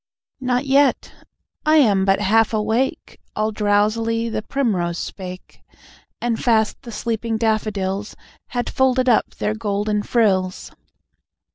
"Not yet. I am but half awake," All drowsily the Primrose spake. And fast the sleeping Daffodils Had folded up their golden frills.